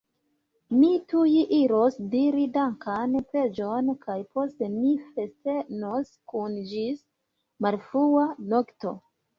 Mi tuj iros diri dankan preĝon, kaj poste ni festenos kune ĝis malfrua nokto!